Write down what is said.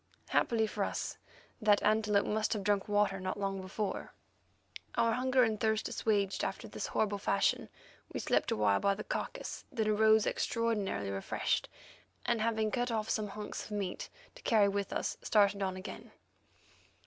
Happily for us that antelope must have drunk water not long before. Our hunger and thirst assuaged after this horrible fashion, we slept awhile by the carcase, then arose extraordinarily refreshed, and, having cut off some hunks of meat to carry with us, started on again.